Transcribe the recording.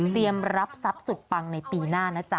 รับทรัพย์สุดปังในปีหน้านะจ๊